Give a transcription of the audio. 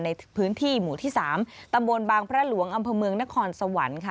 ในพื้นที่หมู่ที่๓ตำบลบางพระหลวงอำเภอเมืองนครสวรรค์ค่ะ